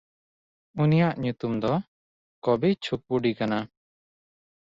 ᱩᱱᱤᱭᱟᱜ ᱧᱩᱛᱩᱢ ᱫᱚ ᱠᱚᱵᱤᱪᱷᱩᱠᱣᱩᱰᱤ ᱠᱟᱱᱟ᱾